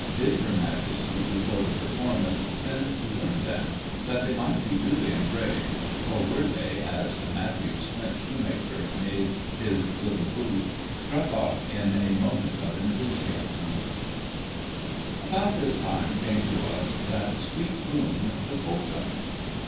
Did Her Majesty, before the 'performance,' send to learn them, that they might be duly engraved ? or were they, as Mathew's French Shoemaker made his little boot, struck off in * a moment of enthusiasm *?" About this time came to us " that sweet boon," THE PoLKA.